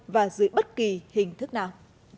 và dưới bất kỳ hình thức nào